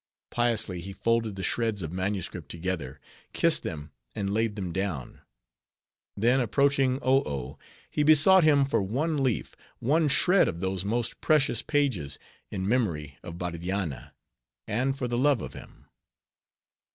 Piously he folded the shreds of manuscript together, kissed them, and laid them down. Then approaching Oh Oh, he besought him for one leaf, one shred of those most precious pages, in memory of Bardianna, and for the love of him.